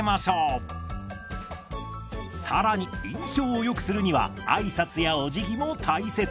更に印象をよくするには挨拶やお辞儀も大切。